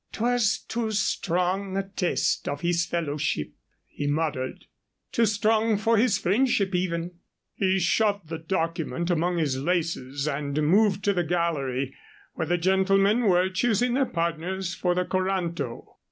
"'Twas too strong a test of his fellowship," he muttered; "too strong for his friendship even." He shoved the document among his laces and moved to the gallery, where the gentlemen were choosing their partners for the coranto.